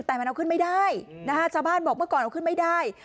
แต่มันเอาขึ้นไม่ได้นะคะชาวบ้านบอกเมื่อก่อนเอาขึ้นไม่ได้